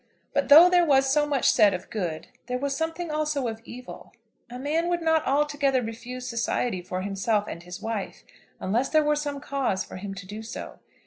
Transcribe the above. But though there was so much said of good, there was something also of evil. A man would not altogether refuse society for himself and his wife unless there were some cause for him to do so.